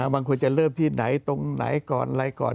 มันควรจะเริ่มที่ไหนตรงไหนก่อนอะไรก่อน